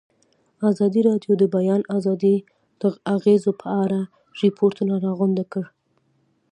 ازادي راډیو د د بیان آزادي د اغېزو په اړه ریپوټونه راغونډ کړي.